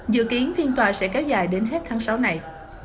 dự kiến phiên tòa sẽ kéo dài đến hết tháng sáu này